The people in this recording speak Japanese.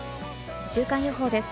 週間予報です。